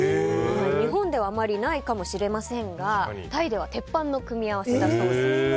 日本ではあまりないかもしれませんがタイでは鉄板の組み合わせだそうです。